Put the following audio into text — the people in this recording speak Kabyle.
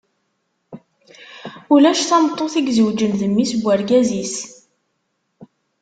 Ulac tameṭṭut i izewǧen d mmi-s n urgaz-is.